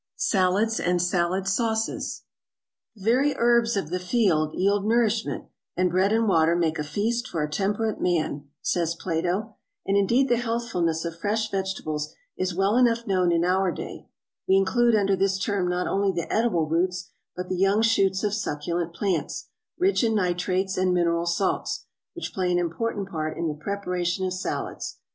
SALADS AND SALAD SAUCES. "The very herbs of the field yield nourishment, and bread and water make a feast for a temperate man," says Plato; and indeed the healthfulness of fresh vegetables is well enough known in our day; we include under this term not only the edible roots, but the young shoots of succulent plants, rich in nitrates and mineral salts, which play an important part in the preparation of salads.